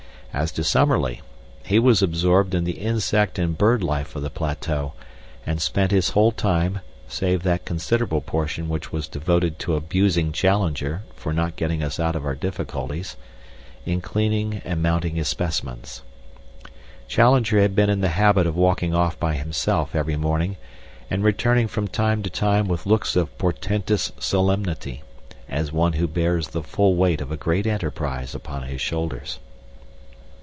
As to Summerlee, he was absorbed in the insect and bird life of the plateau, and spent his whole time (save that considerable portion which was devoted to abusing Challenger for not getting us out of our difficulties) in cleaning and mounting his specimens. Challenger had been in the habit of walking off by himself every morning and returning from time to time with looks of portentous solemnity, as one who bears the full weight of a great enterprise upon his shoulders.